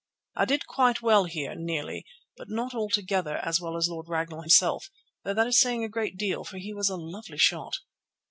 I did quite well here, nearly, but not altogether, as well as Lord Ragnall himself, though that is saying a great deal, for he was a lovely shot.